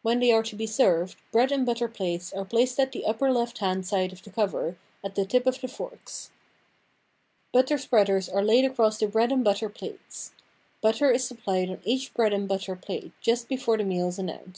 When they are to be served, bread and butter plates are placed at the upper left hand side of the cover, at the tip of the forks. Butter spreaders spreaders are laid across the bread and butter plates. Butter is supplied on each bread and butter plate just before the meal is announced.